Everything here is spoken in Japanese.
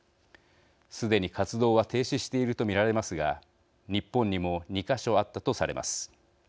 すでに活動は停止していると見られますが日本にも２か所あったとされます。